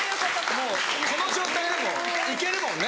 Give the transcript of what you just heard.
もうこの状態でも行けるもんね